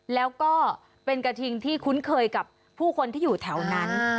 แล้วก็เป็นกระทิงที่คุ้นเคยกับผู้คนที่อยู่แถวนั้น